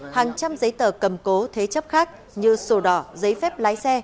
hàng trăm giấy tờ cầm cố thế chấp khác như sổ đỏ giấy phép lái xe